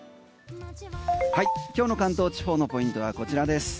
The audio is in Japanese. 今日の関東地方のポイントはこちらです。